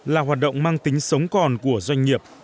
là hoạt động mang tính sống còn của doanh nghiệp